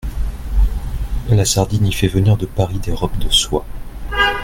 La sardine y fait venir de Paris des robes de soie.